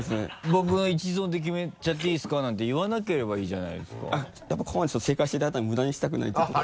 「僕の一存で決めちゃっていいですか？」なんて言わなければいいじゃないですかやっぱここまで正解していただいたの無駄にしたくないということで。